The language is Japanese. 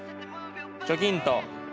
チョキンと。